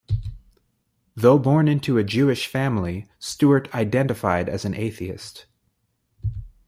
Though born into a Jewish family, Stuart identified as an atheist.